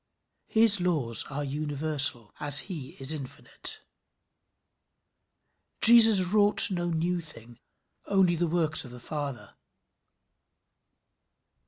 His laws are universal as he is infinite. Jesus wrought no new thing only the works of the Father.